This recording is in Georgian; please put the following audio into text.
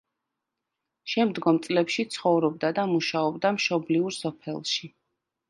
შემდგომ წლებში ცხოვრობდა და მუშაობდა მშობლიურ სოფელში.